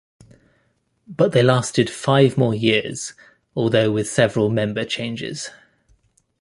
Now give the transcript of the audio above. But they lasted five more years, although with several member changes.